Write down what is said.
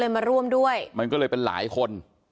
มันก็เลยเป็นหลายคน